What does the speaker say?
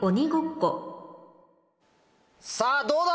さぁどうだ？